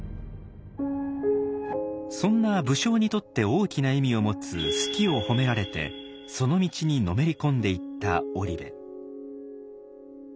そんな武将にとって大きな意味を持つ数寄を褒められてその道にのめり込んでいった織部。